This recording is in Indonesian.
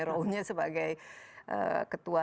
role nya sebagai ketua